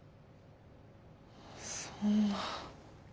そんな。